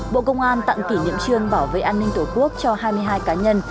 bộ công an tặng kỷ niệm trương bảo vệ an ninh tổ quốc cho hai mươi hai cá nhân